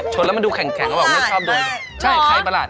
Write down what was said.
ชนแล้วมันดูแข็งไม่ชอบดูใช่ใครประหลาด